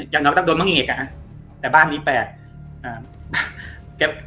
อย่างน้อยก็ต้องโดนมังเอกอะแต่บ้านนี้แปลก